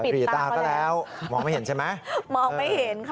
รีตาก็แล้วมองไม่เห็นใช่ไหมมองไม่เห็นค่ะ